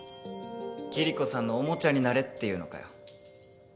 キリコさんのおもちゃになれっていうのかよ？